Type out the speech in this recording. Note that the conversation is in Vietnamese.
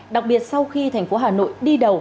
đặc biệt sau khi thành phố hà nội đi đầu